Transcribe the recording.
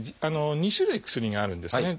２種類薬があるんですね。